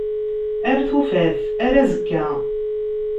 Ar tufat. Ar azekka.